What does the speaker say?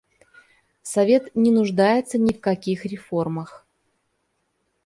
Совет не нуждается ни в каких реформах.